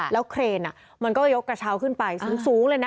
แล้วเครนมันก็ยกกระเช้าขึ้นไปสูงเลยนะ